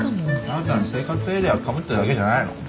ただ単に生活エリアかぶってるだけじゃないの？